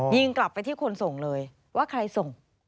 ยิงกลับไปที่คนส่งเลยว่าใครส่ง